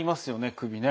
首ね。